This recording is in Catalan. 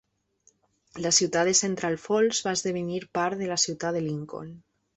La ciutat de Central Falls va esdevenir part de la ciutat de Lincoln.